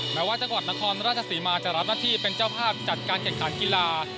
แม้ว่าจังหวัดนครราชศรีมาจะรับหน้าที่เป็นเจ้าภาพจัดการแข่งขันกีฬา